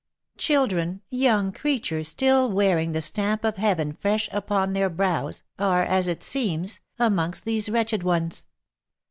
Children, young creatures still wearing the stamp of heaven fresh upon their brows, are, as it seems, amongst these wretched ones.